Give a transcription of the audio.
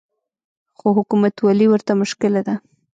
خو حکومتولي ورته مشکله ده